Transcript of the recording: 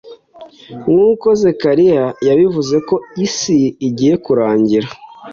Nk`uko Zekariya yabivuze ko isi igiye kurangira